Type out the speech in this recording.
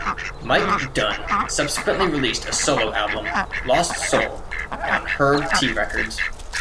Mike Dunne subsequently released a solo album, "Lost Soul", on Herb Tea Records.